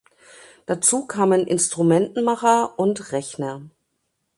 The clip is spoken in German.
Dazu kamen Instrumentenmacher und Rechner.